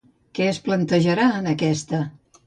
Què es plantejarà en aquesta?